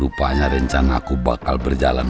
rupanya rencana aku bakal berjalan